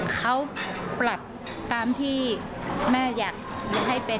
เขาปรับตามที่แม่อยากให้เป็น